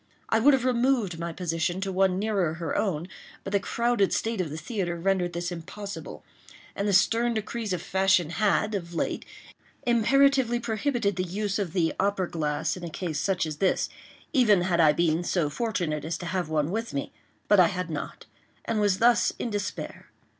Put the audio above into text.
I would have removed my position to one nearer her own, but the crowded state of the theatre rendered this impossible; and the stern decrees of Fashion had, of late, imperatively prohibited the use of the opera glass in a case such as this, even had I been so fortunate as to have one with me—but I had not—and was thus in despair.